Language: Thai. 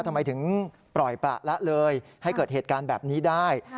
ทำไมถึงปล่อยประละเลยให้เกิดเหตุการณ์แบบนี้ได้